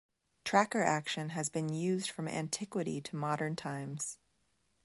Tracker action has been used from antiquity to modern times.